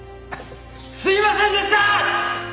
すいませんでした！！